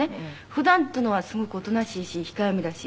普段っていうのはすごくおとなしいし控えめだし。